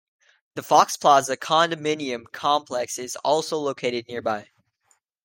The Fox Plaza condominium complex is also located nearby.